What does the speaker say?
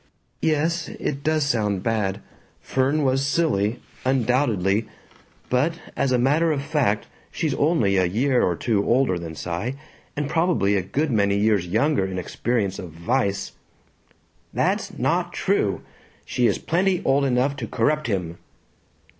"Yes, it does sound bad. Fern was silly, undoubtedly. But as a matter of fact she's only a year or two older than Cy and probably a good many years younger in experience of vice." "That's not true! She is plenty old enough to corrupt him!